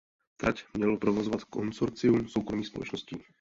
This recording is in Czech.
Trať mělo provozovat konsorcium soukromých společností.